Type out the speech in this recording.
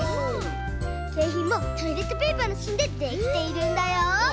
けいひんもトイレットペーパーのしんでできているんだよ。